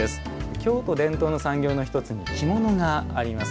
京都伝統の産業の１つに着物があります。